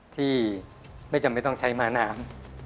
ที่ไม่จำไม่ต้องใช้มาหนาม